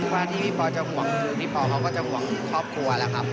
ว่าที่พี่ปอจะห่วงคือพี่ปอเขาก็จะห่วงครอบครัวแล้วครับ